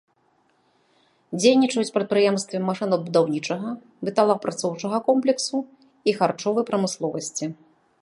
Дзейнічаюць прадпрыемствы машынабудаўнічага, металаапрацоўчага комплексу і харчовай прамысловасці.